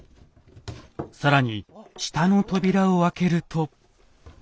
更に下の扉を開けると。